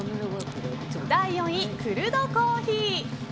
第４位、クルドコーヒー。